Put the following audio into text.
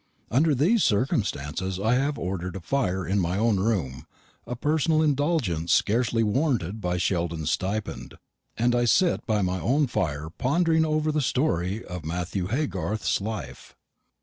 Under these circumstances I have ordered a fire in my own room a personal indulgence scarcely warranted by Sheldon's stipend and I sit by my own fire pondering over the story of Matthew Haygarth's life.